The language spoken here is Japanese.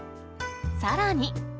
さらに。